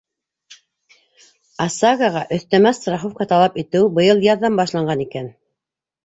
ОСАГО-ға өҫтәмә страховка талап итеү быйыл яҙҙан башланған икән.